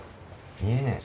見えねぇ。